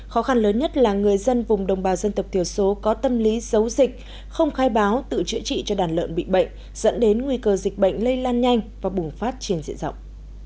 khó khăn lớn nhất là người dân vùng đồng bào dân tộc thiểu số có tâm lý giấu dịch không khai báo tự chữa trị cho đàn lợn bị bệnh dẫn đến nguy cơ dịch bệnh lây lan nhanh và bùng phát triển diện rộng